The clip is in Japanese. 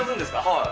はい。